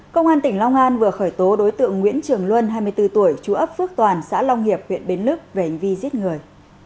công an tỉnh long an vừa khởi tố đối tượng nguyễn trường luân hai mươi bốn tuổi chú ấp phước toàn xã long hiệp huyện bến lức về hành vi giết người